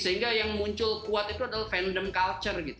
sehingga yang muncul kuat itu adalah fandom culture gitu